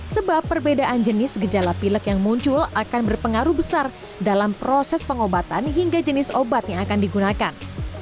sebab perbedaan jenis gejala pilek yang muncul akan berpengaruh besar dalam proses pengobatan hingga jenis obat yang akan digunakan